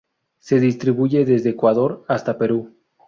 Se distribuye desde Ecuador hasta Perú.